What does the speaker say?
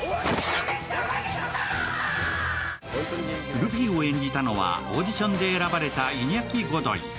ルフィを演じたのは、オーディションで選ばれたイニャキ・ゴドイ。